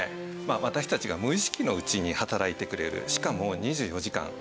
私たちが無意識のうちに働いてくれるしかも２４時間３６５日